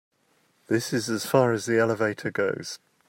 This is as far as the elevator goes.